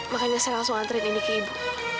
makanya saya langsung antri ini ke ibu